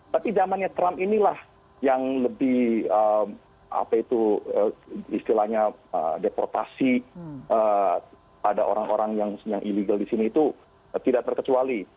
tapi zamannya trump inilah yang lebih apa itu istilahnya deportasi pada orang orang yang ilegal di sini itu tidak terkecuali